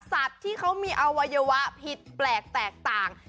สัตว์ที่เขามีอวัยวะผิดแปลกแตกต่าง